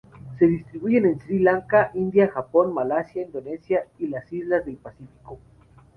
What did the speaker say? Se distribuyen en Sri Lanka, India, Japón, Malasia, Indonesia, y las islas del Pacífico.